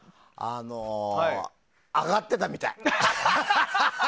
上がってたみたい。